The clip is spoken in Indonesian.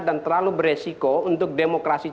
dan terlalu beresiko untuk demokrasi